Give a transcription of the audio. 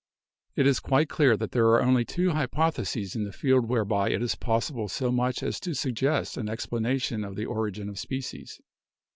It is quite clear that there are only two hypotheses in the field whereby it is possible so much as to suggest an explanation of the origin of species.